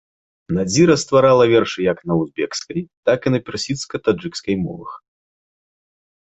Надзіра стварала вершы як на узбекскай, так і на персідска-таджыкскай мовах.